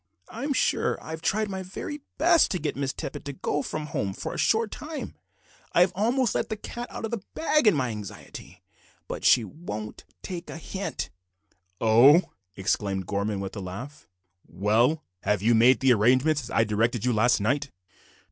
I'm sure I have tried my very best to get Miss Tippet to go from home for a short time, I've almost let the cat out of the bag in my anxiety, but she won't take the hint." "Oho!" exclaimed Gorman, with a laugh. "Well, have you made the arrangements as I directed you last night?"